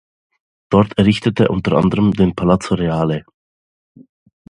Dort errichtete er unter anderem den Palazzo Reale.